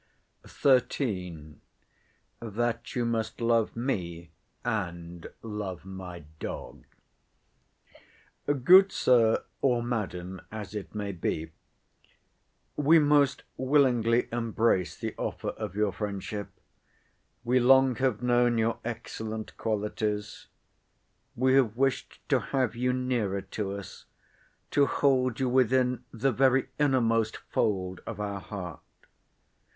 XIII.—THAT YOU MUST LOVE ME, AND LOVE MY DOG "Good sir, or madam, as it may be—we most willingly embrace the offer of your friendship. We long have known your excellent qualities. We have wished to have you nearer to us; to hold you within the very innermost fold of our heart.